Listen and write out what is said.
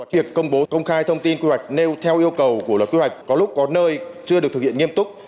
việc công bố công khai thông tin quy hoạch nêu theo yêu cầu của luật quy hoạch có lúc có nơi chưa được thực hiện nghiêm túc